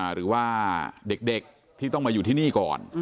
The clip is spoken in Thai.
หรือว่าเด็กที่ต้องมาอยู่ที่นี่ก่อน